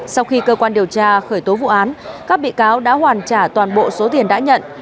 sau khi cơ quan điều tra khởi tố vụ án các bị cáo đã hoàn trả toàn bộ số tiền đã nhận